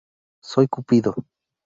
Soy cupido.